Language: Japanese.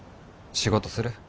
仕事する？